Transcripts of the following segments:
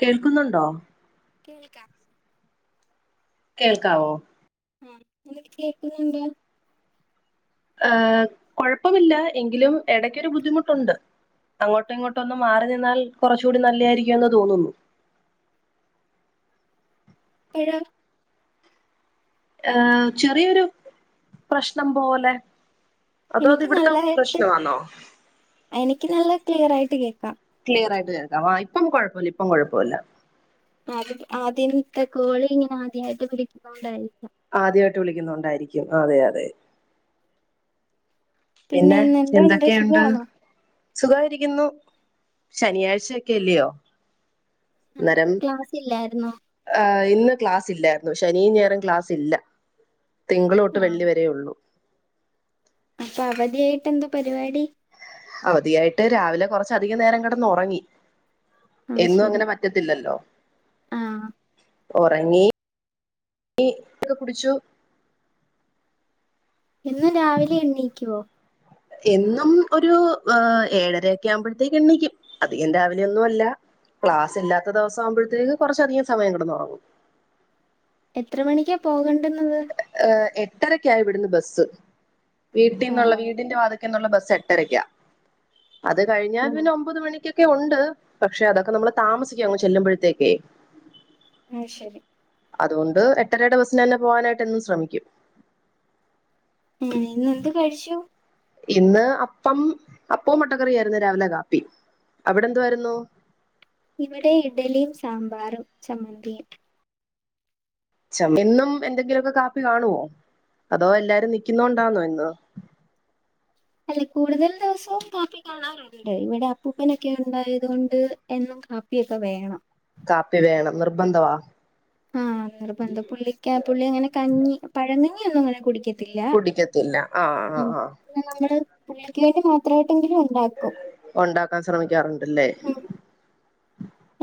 കേൾക്കുന്നുണ്ടോ കേൾക്കാം കേൾക്കാവോ ആ കേക്കുന്നുണ്ട് ആ കൊഴപ്പമില്ല എങ്കിലും എടക്കൊരു ബുദ്ധിമുട്ടൊണ്ട് അങ്ങോട്ടും ഇങ്ങോട്ടും ഒന്ന് മാറി നിന്നാൽ കുറച്ചുകൂടി നല്ലയിരിക്കും ന്ന് തോന്നുന്നു എപ്പഴോ ഏയ് ചെറിയൊരു പ്രശ്നം പോലെ അതോ അത് എനിക്ക് ഇവിടുത്തെ നല്ലതായിട്ട് പ്രശ്നമാണോ എനിക്ക് നല്ല ക്ലിയർ ആയിട്ട് കേക്കാം ക്ലിയർ ആയിട്ട് കേക്ക വാ ഇപ്പ കുഴപ്പല്ല ഇപ്പം കുഴപ്പല്ല ആദ്യ ആദ്യത്തെ കോളി ഇങ്ങനെ ആദ്യയിട്ട് പിടിക്കുന്ന കൊണ്ടായിരിക്കാം ആദ്യമായിട്ട് വിളിക്കുന്നണ്ടായിരിക്കും അതെ അതെ പിന്നെ ഇന്ന് എന്തോണ്ട് എന്തൊക്കെയുണ്ട് സുഖാണോ സുഖയിരിക്കുന്നു ശനിയാഴ്ചൊക്കെ അല്ലയോ അല്ലേ ഇപ്പം ക്ലാസ ഇല്ലായിരുന്നോ ആഹ് ഇന്ന് ക്ലാസ് ഇല്ലായിരുന്നു ശനിയുംഞായറും ക്ലാസ് ഇല്ല തിങ്കളോട്ട് ആഹ് വെള്ളിവരേ ഉള്ളൂ അപ്പൊ അവധിയായിട്ട് എന്തോ പരിപാടി അവധിയായിട്ട് രാവിലെ കുറച്ച അധികം നേരം കിടന്ന് ഉറങ്ങി അത് എന്നും ശരി അങ്ങനെ പ റ്റത്തില്ലല്ലോ ആഹ് ഉറങ്ങിങ്ങ ഒക്കെ കുടിച്ചു എന്നും രാവിലെ എണ്ണീക്കുവോ എന്നും ഒരു ഏഹ് ഏഴരയക്കെ ആവുമ്പോഴത്തേക്ക് എണ്ണക്കും അധികം രാവിലെയ ഒന്നുമ അല്ല ക്ലാസ് ഇല്ലാത്ത ദിവസം ആവുമ്പോഴത്തേക്ക് കുറച്ച അധികം സമയം കെടന്നൊറങ്ങും എത്ര മണിക്കാ പോകണ്ടന്നത് ഏഹ് എട്ടരക്കായി ഇവിടന്ന് ബസ്സ് വീട്ടിൽന്നുള്ള ആഹ് വീടിന്റെ വാത ക്കെന്നുള്ള ബസ്സ് എട്ടരായ്ക്ക അത് കഴിഞ്ഞാൽ ഓഹ് പിന്നെ ഒമ്പത് മണിക്ക് ക്കെ ഉണ്ട് പക്ഷെ അതൊക്കെ നമ്മൾ താമസിക്കു അങ്ങ് ചെല്ലുമ്പോഴത്തേക്കേ ആ ശരി അതുകൊണ്ട് എട്ടരയുടെ ബസ്സിന് തന്നെ പോവാനായിട്ട് എന്നും ശ്രമിക്കും ഉം ഇന്നെന്ത് കഴിച്ചു ഇന്ന് അപ്പം അപ്പവും മുട്ടക്കറിയ ആയിരുന്നു രാവിലെ കാപ്പി അവിടെ എന്തുവായിരുന്നു ഇവിടെ ഇഡ്ഡലിയും സാമ്പാറും ചമ്മന്തിയും ചം എന്നും എന്തെങ്കിലുമൊക്കെ കാപ്പി കാണുവോ അതോ എല്ലാരും നിക്കുന്നണ്ടാന്നോ ഇന്ന് അല്ല കൂടുതൽ ദിവസവും കപ്പി കാണാറുണ്ട് ണ്ട് ഇവിടെ അപ്പൂപ്പനൊക്കെ ഉണ്ടായത് കൊണ്ട് എന്നും കാപ്പിയൊക്കെ വേണം കാപ്പി വേണം നിർബന്ധവാ ആഹ് നിർബന്ധ പുള്ളിക്ക പുള്ളി അങ്ങനെ കഞ്ഞി പഴങ്ങഞ്ഞി ഒന്നും ഇങ്ങനെ കുടിക്കതില്ല കുടിക്കത്തില്ല ആഹ് ല്ല ആഹ് ആഹ് പിന്ന നമ്മള് പുള്ളിക്ക് വേണ്ടി മാത്രട്ടങ്കിലും ഉണ്ടാക്കാൻ ശ്രമിക്കാറുണ്ടല്ലേ ഉം.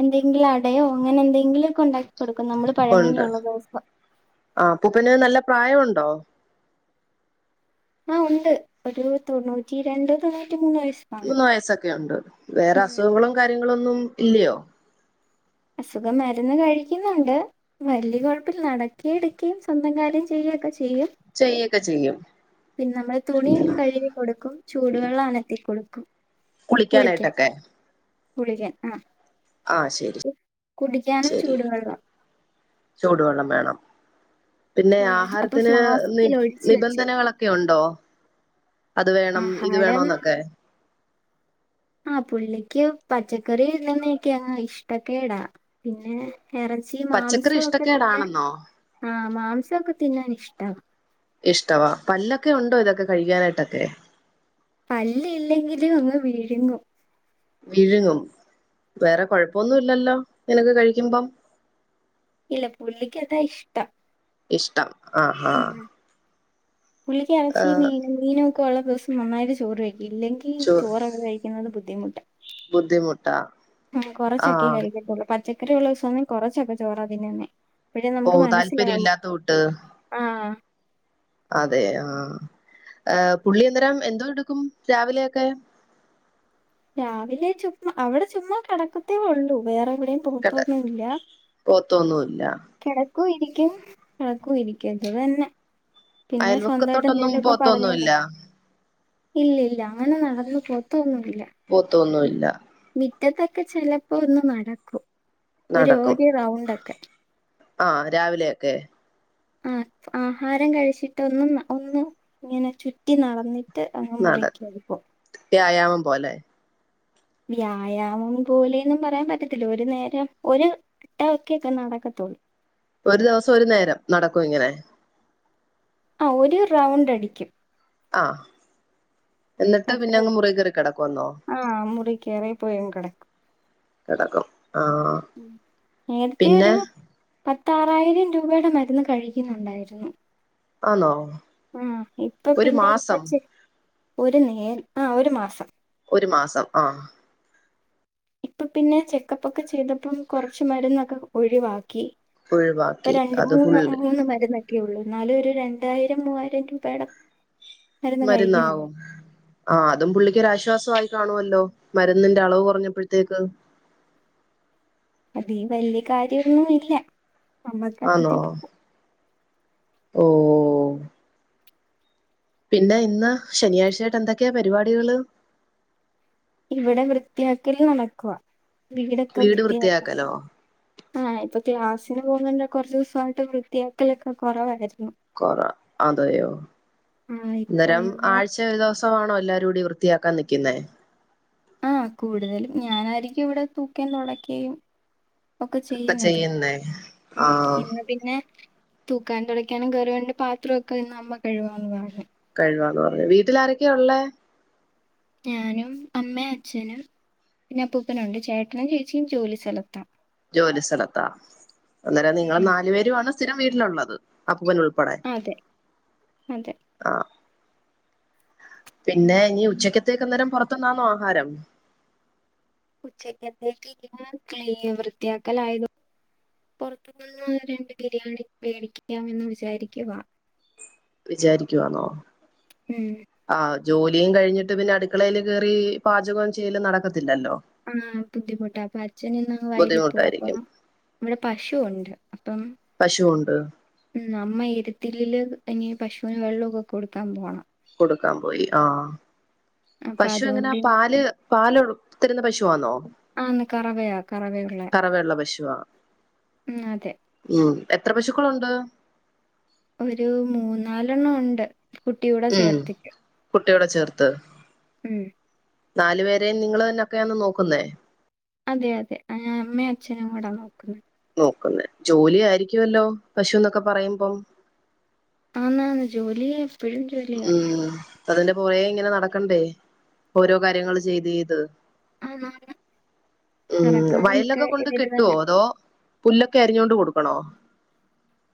എന്തെങ്കിലും അടയോ അങ്ങനെ എന്തെങ്കിലുംക്ക ഉണ്ടാക്ക കൊടുക്കും നമ്മള് ഉണ്ട് പഴങ്ങഞ്ഞിയുള്ള ദിവസം ആഹ് അപ്പൂപ്പന് നല്ല പ്രായം ഉണ്ടോ ആഹ് ഉണ്ട് ഒരു തൊണ്ണൂറ്റി രണ്ട് തൊണ്ണൂറ്റി മൂന്ന് വയസ്സ് തൊണ്ണൂറ്റിമൂന്ന് വയസ്സൊക്കെ ഉണ്ട് വേറെ അസുഖങ്ങളും കാര്യങ്ങളും ഒന്നും ഇല്ലയോ അസുഖം മരുന്ന് കഴിക്കുന്നുണ്ട് വലിയ കൊഴപ്പല്ല നടക്കുവേം എടുക്കയും സ്വന്തം കാര്യം ചെയ്യുകൊക്കെ ചെയ്യും ചെയ്യൊക്കെ ചെയ്യും പിന്നെ നമ്മള് തുണി കഴുകി കൊടുക്കും ചൂടുവെള്ളം അനത്തി കൊടുക്കും കുളിക്കാൻ കുളിക്കാനായിട്ടൊക്കെ കുളിക്കാൻ ആഹ് ആഹ് ശരി കുടിക്കാനും ശരി ചൂടുവെള്ളം ചൂടുവെള്ളം വേണം പിന്നെ ഉം അപ്പൊ ആഹാരത്തിന് നി ഫ്ലാസ്കിൽ ഒഴിച്ച് വെച്ചേക്കും നിബന്ധനകളൊ ക്ക്യോ ഒണ്ടോ അത് വേണം ഇത് ആഹാരം വേണോന്നൊക്കെ ആഹ് പുള്ളിക്ക് പച്ചക്കറി ഇടുന്നെയൊക്കെയാ ഇഷ്ടക്കേടാ ഏഹ് എറച്ചി പച്ചക്കറി മാംസമൊക്കെ തിന്നാൻ ഇഷ്ടക്കേടാണെന്നോ ആഹ് മാംസമൊക്കെ തിന്നാൻ ഇഷ്ടമാ ഇഷ്ടവാ പല്ലൊക്കെ ഉണ്ടോ ഇതൊക്കെ കഴിക്കാനായിട്ടൊക്കെ പല്ല് ഇല്ലെങ്കിലും അങ്ങ് വീഴുങ്ങും വിഴുങ്ങും വേറെ കൊഴപ്പൊന്നും ഇല്ലല്ലോ ഇങ്ങനൊക്കെ കഴിക്കുമ്പം ഇല്ല പുള്ളിക്ക് അതാ ഇഷ്ടം ഇഷ്ടം ആഹ് ഉം ആഹ് പുള്ളിക്ക് ഇറച്ചിയും ഏഹ് മീനും മീനുമൊക്കെ ഉള്ള ദിവസം നന്നായിട്ട് ചോറ് കഴിക്കും ഇല്ലെങ്കി ചു ചോറ് അങ്ങ് ക്കുന്നത് ബുദ്ധിമുട്ട് ബുദ്ധിമുട്ടാ ഉം കൊറച്ചൊക്കെ ആഹ് കഴിക്കത്തുള്ളൂ പച്ചക്കറി ഉള്ള ദിവസം ഒന്നും കൊറച്ചൊക്കെ ചോറ തിന്നുന്നെ അപ്പഴെ ഓ നമുക്ക് താല്പര്യം മനസ്സിലാവും ഇല്ലാത്ത കൂട്ട് ആഹ് അതെ ആഹ് എഹ് പുള്ളി അന്നേരം എന്തോ എടുക്കും രാവിലെയൊക്കെ രാവിലെ ചുമ്മാ അവിടെ ചുമ്മാ കെടക്കത്തേ ഉള്ളൂ വേറെ എവിടെയും പോകത്തൊന്നുല്ല പോകത്തൊന്നുല്ല കിടക്കും ഇരിക്കും കിടക്കും ഇരിക്കും ഇത് തന്നെ പിന്നെ സ്വന്തയിട്ട് അയൽവക്കത്തോട്ടൊന്നും എന്തെലും ഒക്കെ പറഞ്ഞോണ്ടേ പോത്തൊന്നുല്ല ഇല്ല ഇല്ല അങ്ങനെ നടന്ന് പോകത്തൊന്നുല്ല പോകത്തൊന്നുല്ല മുറ്റത്തൊക്കെ ചെലപ്പോ ഒന്ന് നടക്കും ഒരു നടക്കും ഒര് റൗണ്ടൊക്കെ ആഹ് രാവിലെയൊക്കെ ആഹ് ആഹാരം കഴിച്ചിട്ടൊന്നും ഒന്ന് ഇങ്ങനെ ചുറ്റി നടന്നി ചെപ്പ അങ്ങ് നട മുറിയിൽ കയറിപോ വ്യായാമം പോലെ വ്യായാമം പോലെയെന്നും പറയാൻ പറ്റത്തില്ല ഒരു നേരം ഒരു ഏഹ് ഒക്കെ ഒക്കെ നടക്കത്തോള്ളു ഒരു ദിവസം ഒരു നേരം നടക്കും ഇങ്ങനെ ആഹ് ഒരു റൗണ്ട് അടിക്കും ആഹ് എന്നിട്ട് പിന്നെ അത്രേ അങ്ങ് ഉള്ളൂ മുറി കേറി കിടക്കുമെന്നോ ആ മുറി കയറി പോയി അങ്ങ് കിടക്കും കിടക്കും ആഹ് ഉം. നേരത്തെ പിന്നെ ഒരു പത്താറായിരം രൂപയുടെ മരുന്ന് കഴിക്കുന്നുണ്ടായിരുന്നു ആന്നോ ആഹ് ഇപ്പം ഒരു പിന്നെ ഇപ്പം മാസം ചി ഒരു നേര് ആഹ് ഒരു മാസം ഒരു മാസം ആഹ് ഇപ്പൊ പിന്നെ ചെക്കപ്പ് ഒക്കെ ചെയ്തപ്പം കുറച്ച് മരുന്നൊക്കെ ഒഴിവാക്കി ഒഴിവാക്കി ഇപ്പം രണ്ട് അത് മൂന്ന് ഫുള്ള് മൂന്ന് മരുന്നൊക്കെയുള്ളൂ എന്നാലും ഒരു രണ്ടായിരം മൂവായിരം രൂപയുടെ മരുന്ന് കഴിക്കുന്നുണ്ട് മരുന്നാവും. ആഹ് അതും പുള്ളിക്കൊരാശ്വാസായി കാണുവല്ലോ മരുന്നിന്റെ അളവ് കൊറഞ്ഞപ്പഴ്ത്തേക്ക്. അതീ വല്യ കാര്യൊന്നുല്ല. ആന്നോ ഓഹ്. പിന്നെ ഇന്ന് ശനിയാഴ്ചയായിട്ട് എന്തക്കെയാ പരിപാടികള്. ഇവിടെ വൃത്തിയാക്കൽ നടക്കുവ വീടൊക്കെ വീട് വൃത്തിയാക്കലോ വൃത്തിയാക്കണം. ആഹ് ഇപ്പൊ ക്ലാസ്സിന് പോകുന്നോണ്ട്‌ കൊറചൂസായിട്ട് വൃത്തിയാക്കലൊക്കെ കൊറവായിരുന്നു. കൊറ അതയോ ആഹ് ഇപ്പൊ അന്നേരം ഇന്ന് ആഴ്ച് ചെൽ ഒരു ദിവസമാണോ എല്ലാരൂടി വൃത്തിയാക്കാൻ നിക്കിന്നെ. ആഹ് കൂടുതലും ഞാനായിരിക്കും ഇവിടെ തൂക്കേം തൊടക്കേം. ഒക്കെ ചെയ്യുന്നത് ഉം ആഹ് ഇന്ന്. പിന്നെ തൂക്കാൻ തൊടക്കാനും കേറ്യോണ്ട് പാത്രൊക്കെ ഇന്ന് അമ്മ കഴവാന്ന് പറഞ്. കഴ്‌വാന്ന് പറഞ്ഞു വീട്ടിലാരൊക്കെയ്ള്ളേ.? ഞാനും അമ്മേം അച്ഛനും. പിന്നെ അപ്പൂപ്പനുണ്ട് ചേട്ടനും ചേച്ചിം ജോലിസ്ഥലത്താ. ജോലി സ്ഥലത്താ അന്നേരം നിങ്ങള് ഉം നാല് പേരുമാണ് സ്ഥിരം വീട്ടിലുള്ളത് അപ്പൂപ്പൻ ഉൾപ്പെടെ. അതെ അതെ. ആഹ് പിന്നെ ഇനി ഉച്ചക്കത്തേക്ക് അന്നേരം പുറത്തുന്നാന്നോ ആഹാരം?. ഉച്ചക്കത്തെക്കി ക്ലി വൃത്തിയാക്കലായതേ പൊറത്ത്നിന്ന് രണ്ട് ബിരിയാണി മേടിക്കാമെന്ന് വിചാരിക്കുവാ. വിചാരിക്കുവാന്നോ.? ഉം ആഹ് ജോലിയും കഴിഞ്ഞിട്ട് പിന്നെ അടുക്കളേൽ കെറി പാചകം ചെയ്യലും നടക്കത്തില്ലല്ലോ.? ആഹ് ബുദ്ധിമുട്ടാ അപ്പൊ അച്ഛനിന്ന് വയലിപോവും അപ്പൊം ബുദ്ധിമുട്ടായിരിക്കും ഇവിടെ പശുവുണ്ട് അപ്പം പശുവുണ്ട്. ഉം അമ്മ എരുത്തിലില് ഇനി പശുവിന് വെള്ളൊക്കെ കൊടുക്കാൻപോണം. കൊടുക്കാൻ പോയി ആഹ് അപ്പൊ പശു എങ്ങന അതുകൊണ്ട് പാല്. ഇനിയിപ്പം പാല് തരുന്ന പശുവാന്നോ? ആന്ന് കറവയാ കറവയുള്ള കറവയുള്ള പശുവാ ഉം അതെ. ഉം എത്ര പശുക്കളുണ്ട്? ഒരു മൂന്നാലെണ്ണൊണ്ട് കുട്ടിയൂടെ ഉം ചേർത്തിട്ട്. കുട്ടിയോടെ ചേർത്ത്. ഉം. നാല് പേരേം നിങ്ങള്ന്നൊക്കെയാണ് നോക്ക്ന്നേ? അതെ അതെ അഹ് അമ്മേ അച്ഛനും കൂടാനോക്കുന്നെ. നോക്കുന്നെ ജോലിയായിരിക്കുവല്ലോ? പശുന്നൊക്കെ പറയുമ്പം. ആന്നാന്ന് ജോലിയ എപ്പഴും ജോലിയ. ഉം അതിന്റെ പോറേ ഇങ്ങനെ നടക്കണ്ടേ ഓരോ കാര്യങ്ങള് ചെയ്ത് ചെയ്ത്. ആന്നാന്ന് ഉം കറക്കാനും ഒക്കെ വയലൊക്കെകൊണ്ട് ഇവര് തന്നെ കെട്ടുവോ അതോ.? പുല്ലൊക്കെ അരിഞ്ഞോണ്ട് കൊടുക്കണോ?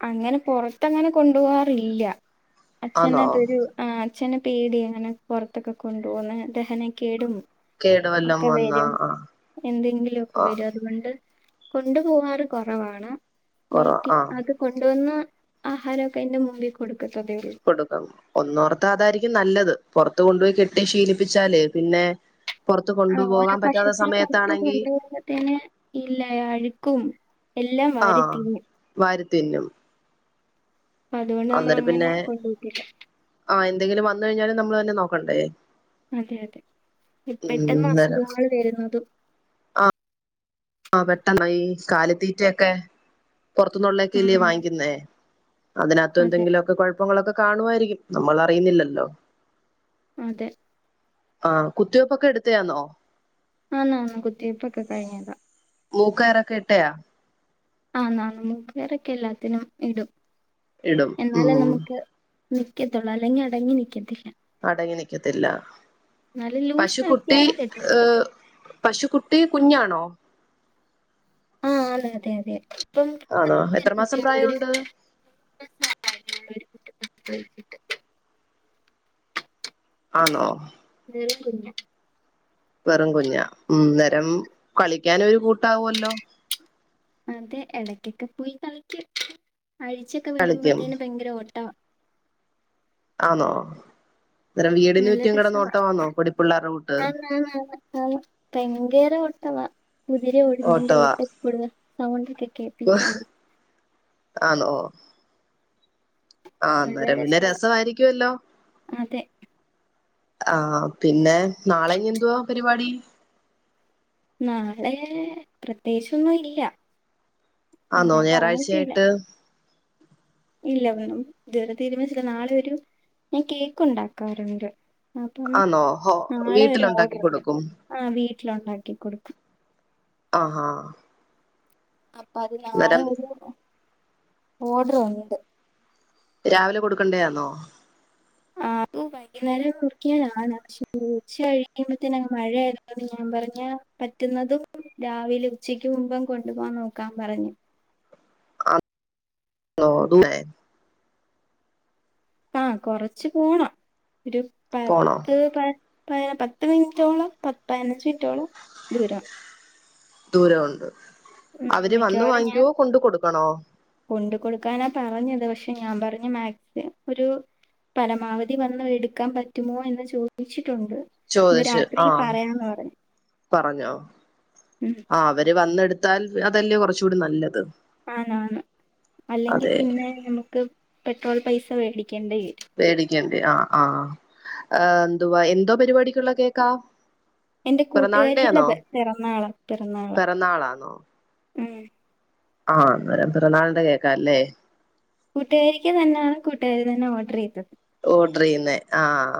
അങ്ങനെ പൊറത്തങ്ങനെ കൊണ്ടു പോവാറില്ല അച്ഛന് ആന്നോ അതൊരു ആഹ് അച്ഛന്പേടിയാങ്ങനെ പൊറത്തൊക്കെ കൊണ്ടുപോവുന്നെ ദഹനകേടും. കേട് വല്ലം വന്നാ ഒക്കെവരും ആ എന്തെങ്കിലൊക്കെ ആ വരും അതുകൊണ്ട് കൊണ്ടു പോവാറ് കൊറവാണ് കൊറ വീട്ടി ആ ത് കൊണ്ടുവന്ന ആഹാരൊക്കെ അതിന്റെ മുമ്പിൽ കൊടുക്കത്തതേള്ളൂ. കൊടുക്കും ഒന്നോർത്താ അതായിരിക്കും നല്ലത് പൊറത്ത് കൊണ്ടുപോയി കെട്ടി ശീലിപ്പിച്ചാല് പിന്നെ പുറത്ത് ആ ഓരോ കൊണ്ടുപോകാൻ പറ്റാത്ത പശുക്കള് പൊറത്ത് സമയത്താണെങ്കി കൊണ്ട്പോവുമ്പോതന്നെ ഇല്ലേ അഴ്ക്കും. എല്ലാം ആ വാരീത്തിന്നും. വാരി തിന്നും അതോണ്ട് നമ്മളങ്ങനെ കൊണ്ടുപോവത്തില്ല. ആഹ് എന്തെങ്കിലും വന്നു കഴിഞ്ഞാലും നമ്മള്തന്നേ നോക്കണ്ടേ? അതെ അതെ ഉം പെട്ടെന്ന് അന്നേരം അസുഖങ്ങള് വരുന്നതും. ആ പെട്ടന്നാ ഈ കാലിത്തീറ്റയൊക്കെ പൊറത്തുന്നുള്ളയ്ക്കല്ലേ ആന്നാന്ന് വാങ്ങിക്കുന്നേ? അതിനകത്തും അതെ എന്തെങ്കിലൊക്കെ കൊഴപ്പങ്ങളൊക്കെ കാണുവായിരിക്കും നമ്മള് അറിയുന്നില്ലല്ലോ? അതെ ആഹ് കുത്തിവെപ്പൊക്കെ എടുത്തെയാന്നോ? ആന്ന് ആന്ന് കുത്തിവെപൊക്കെ കഴിഞ്ഞതാ. മൂക്കയറൊക്കെ ഇട്ടയാ? ആന്ന് ആന്ന് മ്മുക്കയറൊക്കെ എല്ലാത്തിനും ഇടും ഇടും എന്നാലെ ഉം നമുക്ക് നിക്കത്തൊള്ളൂ അല്ലെങ്കിൽ അടങ്ങി നക്കത്തില്ല. അടങ്ങി നിക്കത്തില്ല നല്ല പശുക്കുട്ടി ലൂസാക്കിയാണ് കെട്ടുന്നത് ഏവ് പശുക്കുട്ടി കുഞ്ഞാണോ? ആഹ് ആന്ന് അതെ അതെ അതെ ഇപ്പം ആണോ എത്ര മാസം പ്രായമുണ്ട് [unintelligible] [unintelligible] ആന്നോ നറകുഞ്ഞ വെറും കുഞ്ഞ ഉം നേരം കളിക്കാനൊരു കൂട്ടാവുല്ലോ അതെ ഇടയ്ക്കൊക്കെ പോയി കളക്കും അഴിച്ചൊക്കെ കളിക്കും വിടുമ്പത്തീനും ഭയങ്കര ഓട്ടാ ആണോ അന്നേരം നല്ല വീടിനുറ്റും രസവാ കെടനോട്ടമാന്നോ പൊടിപ്പിള്ളേരു കൂട്ട് ആന്ന് ആന്ന് ആന്ന് ഭയങ്കര ഓട്ടവാ കുതിര ഓടുന്നേന്റെ ഓട്ടവാ കൂട്ട് സൗണ്ടൊക്കെ കേപ്പിച്ചാ ആന്നൊ ആ നല്ല അന്നേരം പിന്നെ രസവാ രസവായിരിക്കല്ലോ അതെ ആഹ പിന്നെ നാളെ ഇനി എന്തുവാ പരിപാടി നാളെ പ്രത്യേകിച്ചൊന്നും ഇല്ല ആന്നോ അങ്ങനെ പറഞ്ഞിട്ടില്ല ഞായറാഴ്ചയായിട്ട് ഇല്ല വെറും ഇതുവറെ തീരുമാനിച്ചില്ല നാളെ ഒരു ഞാൻ കേക്ക് ഉണ്ടാക്കാറുണ്ട് അപ്പം ആന്നോ ഹോ നാളെ ഒരു വീട്ടിലുണ്ടാക്കി ഓർഡറിണ്ട് കൊടുക്കും ആ വീട്ടിലുണ്ടാക്കി കൊടുക്കും ആഹാ അപ്പൊ അത് നളെ അന്നേരം ഒരു ഓഡർ ഉണ്ട്. രാവിലെ കൊടുക്കണ്ടേയാന്നോ? ആ അത് [inaudible] വൈകുന്നേരം മുറിക്കിയാനാണ് പക്ഷെ ഉച്ച കഴിയുമ്പോത്തിന മഴയതന്ന് ഞാൻ പറഞ്ഞ പറ്റുന്നതും രാവിലെ ഉച്ചക്ക് മുമ്പും കൊണ്ടുപോകൻ നോക്കാൻ പറഞ്ഞു. ഓ അന്നെ ആ കുറച്ച് പോണം ഒരു പോണോ പത്ത് പ പതിന പത്ത് മിനിറ്റോളം പ പതിനഞ്ച് മിനിറ്റോളം ദൂരം ദൂരം ഉണ്ട് ഉം അവര് വന്ന് മിക്കവാറും ഞാൻ വാങ്ങിക്കുവോ കൊണ്ട് കൊടുക്കണോ? കൊണ്ട് കൊടുക്കാനാ പറഞ്ഞത് പക്ഷെ ഞാൻ പറഞ്ഞ് മാക്സിം ഒരു പരമാവധി വന്ന് എടുക്കാൻ പറ്റുമോ എന്ന് ചോദിച്ചിട്ടുണ്ട്. ഇന്ന് ചോദിച്ചു രാത്രി ആഹ പറയാന്ന് പറഞ്ഞു പറഞ്ഞോ ഉം ആ അവര് വന്നെടുത്ത് ത്താൽ അതല്ലേ കുറച്ചൂടി നല്ലത് ആന്ന് ആന്ന് അല്ലെങ്കിൽ അതെ പിന്നെ നമുക്ക് പെട്രോൾ പൈസ മേടിക്കേണ്ട വരും. വേടിക്കിണ്ട് ആ ആ എന്തുവാ എന്തോ പരിപാടിക്കുള്ള കേക്കാ എന്റെ കൂട്ടുകാരിടെ പിറന്നാളിന്റെയാന്നോ പിറന്നാള പിറന്നാള പിറന്നാള പിറന്നാളാന്നോ ഉം ആഹ് ന്നേരം പിറന്നാൾടെ കേൾക്കാല്ലേ കൂട്ടുകാരിക്ക് തന്നെയാണ് കൂട്ടുകാരി തന്നെ ഓർഡർ ചെയ്തത് ഓർഡർ ചെയ്യുന്നേആഹ്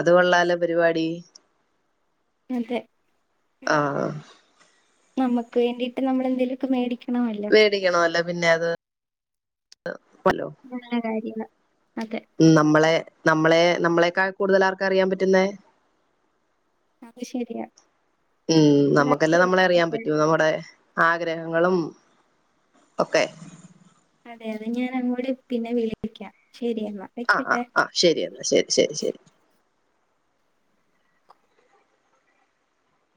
അത് കൊള്ളാലോ പരിപാടി അതെ ആഹ് നമുക്ക് വേണ്ടിയിട്ട് നമ്മള് എന്തെങ്കിലുമൊക്കെ മേടിക്കണമല്ലോ മേടിക്കണമല്ലോ പിന്നെ അത് ലോ നല്ല കാര്യാണ് അതെ ഉം നമ്മളെ നമ്മളെ നമ്മളേക്കാൾ കൂടുതൽ ആർക്കാ അറിയാൻ പറ്റുന്നേ അത് ശരിയാ ഉം എന്നാ നമുക്കെന്നെ നമ്മളെ അറിയാൻ ശരി. പറ്റൂ നമ്മുടെ ആഗ്രഹങ്ങളും ഒക്കെ അതെ അതെ ഞാൻ അങ്ങോട് പിന്നെ വിളിപ്പിക്കാം ശെരിയെന്നാ അ അ അ ശരി എന്നാ ശരി ശരി ശരി